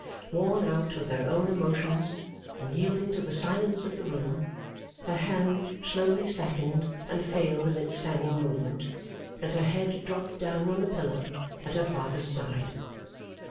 Worn out with her own emotions, and yielding to the silence of the room, her hand slowly slackened and failed in its fanning movement, and her head dropped down on the pillow at her father's side.